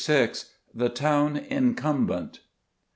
THE TOWN INCUMBENT.